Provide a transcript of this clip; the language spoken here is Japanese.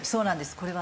これはね